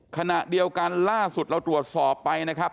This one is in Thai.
ขณะเดียวกันล่าสุดเราตรวจสอบไปนะครับ